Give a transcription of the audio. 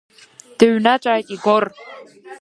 Дыҩныҵәааит Игор.